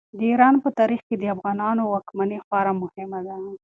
د ایران په تاریخ کې د افغانانو واکمني خورا مهمه ده.